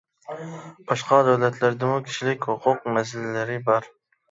باشقا دۆلەتلەردىمۇ كىشىلىك ھوقۇق مەسىلىلىرى بار.